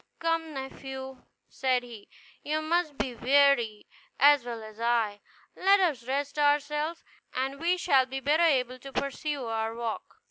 "Come, nephew," said he, "you must be weary, as well as I; let us rest ourselves, and we shall be better able to pursue our walk."